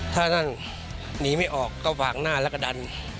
ถ้านั่นหนีไม่ออกก็วางหน้าแล้วก็ดัน